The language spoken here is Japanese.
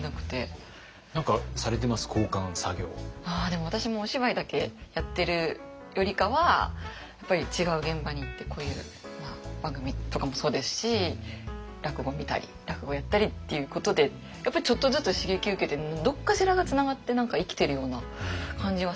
でも私もお芝居だけやってるよりかはやっぱり違う現場に行ってこういう番組とかもそうですし落語見たり落語やったりっていうことでやっぱりちょっとずつ刺激受けてどっかしらがつながって何か生きているような感じがするので。